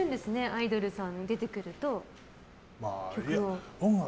アイドルさん出てくると曲を。